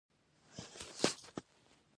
هغه کاري مزد او روغتیايي وسایل ترې کموي